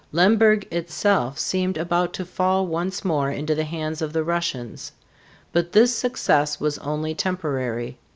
Lemberg itself seemed about to fall once more into the hands of the Russians. But this success was only temporary.